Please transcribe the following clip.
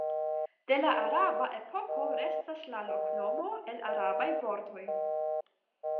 De la araba epoko restas la loknomo el arabaj vortoj.